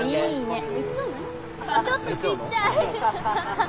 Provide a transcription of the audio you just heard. ちょっとちっちゃい！